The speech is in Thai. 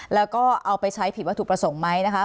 แล้วก็เอาไปใช้ผิดวัตถุประสงค์ไหมนะคะ